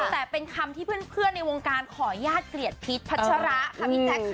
แต่เป็นคำที่เพื่อนในวงการขอญาติเกลียดพีชพัชราคมิจักรค่ะ